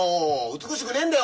美しくねえんだよ